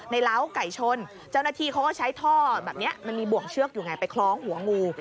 เล้าไก่ชนเจ้าหน้าที่เขาก็ใช้ท่อแบบนี้มันมีบ่วงเชือกอยู่ไงไปคล้องหัวงู